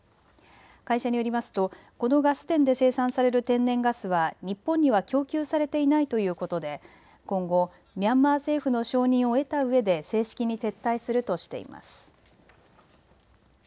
会社によりますとこのガス田で生産される天然ガスは日本には供給されていないということで今後、ミャンマー政府の承認を得たうえで正式に撤退するとしています。